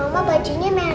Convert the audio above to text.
wah mama bajunya merah merah